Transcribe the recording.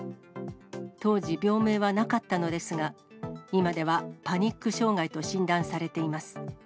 当時、病名はなかったのですが、今ではパニック障害と診断されています。